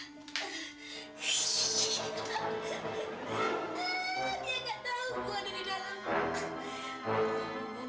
dia gak tau gua ada di dalam